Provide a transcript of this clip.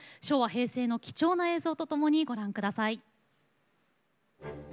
昭和、平成の貴重な映像とともにご覧ください。